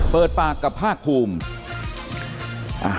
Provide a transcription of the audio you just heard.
เปิดปากกับภาคภูมิ